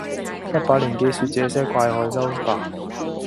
一把年紀說這些怪害羞吧！